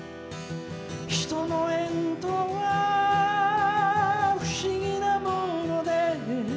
「人の縁とは不思議なもので」